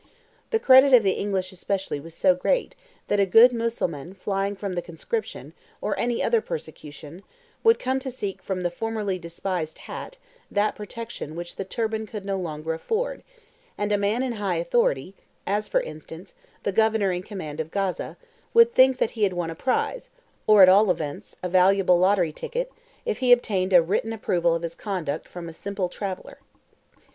The credit of the English especially was so great, that a good Mussulman flying from the conscription, or any other persecution, would come to seek from the formerly despised hat that protection which the turban could no longer afford; and a man high in authority (as, for instance, the Governor in command of Gaza) would think that he had won a prize, or at all events, a valuable lottery ticket, if he obtained a written approval of his conduct from a simple traveller.